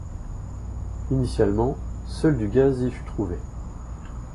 Initialement seul du gaz y fut trouvé.